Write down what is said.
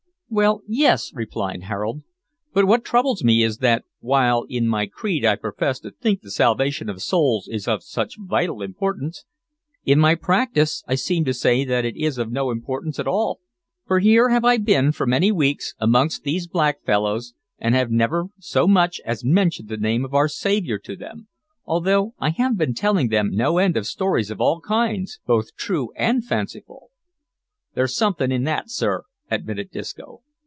"Well, yes," replied Harold; "but what troubles me is that, while in my creed I profess to think the salvation of souls is of such vital importance, in my practice I seem to say that it is of no importance at all, for here have I been, for many weeks, amongst these black fellows, and have never so much as mentioned the name of our Saviour to them, although I have been telling them no end of stories of all kinds, both true and fanciful." "There's something in that sir," admitted Disco.